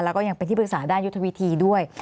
แล้วก็ยังเป็นที่ปรึกษาด้านยุทธวิธีด้วย